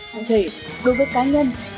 cũng thể đối với cá nhân